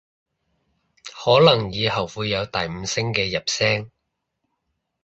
可能以後會有第五聲嘅入聲